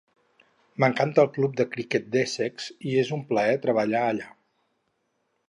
M'encanta el Club de Criquet d'Essex i és un plaer treballar allà.